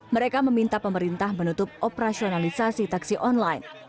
mereka meminta pemerintah menutup operasionalisasi taksi online